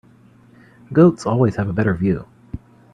Goats always have a better view.